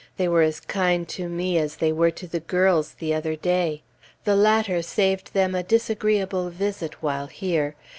They were as kind to me as they were to the girls the other day. The latter saved them a disagreeable visit, while here.